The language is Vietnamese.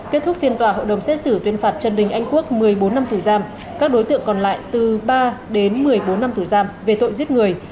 kết thúc phiên tòa hội đồng xét xử tuyên phạt trần đình anh quốc một mươi bốn năm tù giam các đối tượng còn lại từ ba đến một mươi bốn năm tù giam về tội giết người